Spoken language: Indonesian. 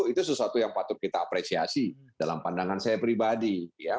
itu sesuatu yang patut kita apresiasi dalam pandangan saya pribadi